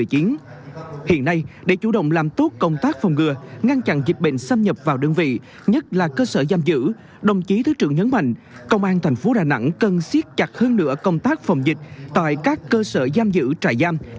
hiện nay để chủ động làm tốt công tác phòng ngừa ngăn chặn dịch bệnh xâm nhập vào đơn vị nhất là cơ sở giam giữ đồng chí thứ trưởng nhấn mạnh công an thành phố đà nẵng cần siết chặt hơn nữa công tác phòng dịch tại các cơ sở giam giữ trại giam